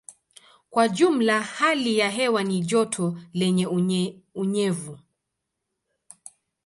Kwa jumla hali ya hewa ni joto lenye unyevu.